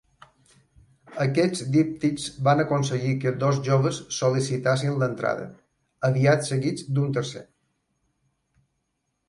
Aquests díptics van aconseguir que dos joves sol·licitassin l'entrada, aviat seguits d'un tercer.